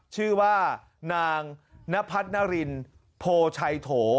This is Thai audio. ชื่อว่านางนพัฒนารินโพชัยโถ